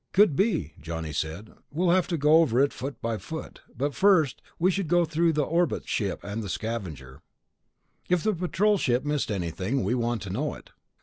"Could be," Johnny said. "We'll have to go over it foot by foot ... but first, we should go through the orbit ship and the Scavenger. If the Patrol ship missed anything, we want to know it."